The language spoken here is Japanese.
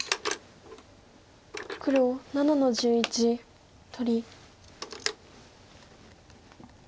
黒７の十一取り。